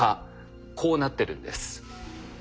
こうなってるんです。